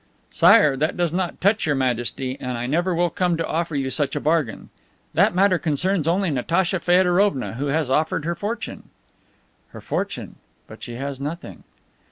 "Sire, that does not touch Your Majesty, and I never will come to offer you such a bargain. That matter concerns only Natacha Feodorovna, who has offered her fortune!" "Her fortune! But she has nothing."